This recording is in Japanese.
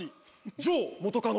嬢元カノ。